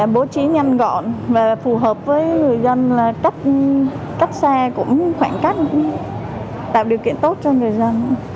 bố trí nhanh gọn và phù hợp với người dân là cách xa cũng khoảng cách tạo điều kiện tốt cho người dân